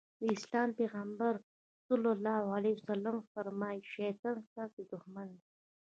د اسلام پيغمبر ص وفرمايل شيطان ستاسې دښمن دی.